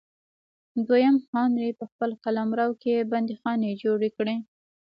دویم هانري په خپل قلمرو کې بندیخانې جوړې کړې.